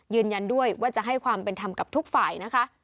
ยืนยันด้วยว่าจะให้ความเป็นธรรมกับทุกฝ่ายนะคะ